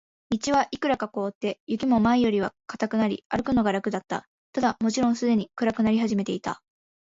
道はいくらか凍って、雪も前よりは固くなり、歩くのが楽だった。ただ、もちろんすでに暗くなり始めていた。